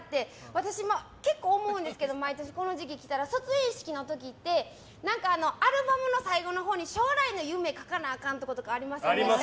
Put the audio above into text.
私も結構思うんですけど毎年この時期来たら卒園式の時って何かアルバムの最後のほうに将来の夢を書かなあかんとことかありませんでした？